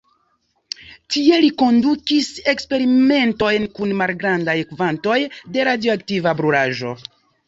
Tie li kondukis eksperimentojn kun malgrandaj kvantoj de radioaktiva brulaĵo.